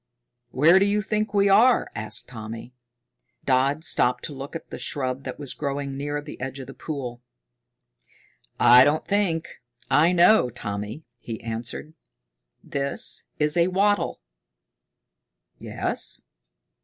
"Where do you think we are?" asked Tommy. Dodd stopped to look at a shrub that was growing near the edge of the pool. "I don't think, I know, Tommy," he answered. "This is wattle." "Yes?"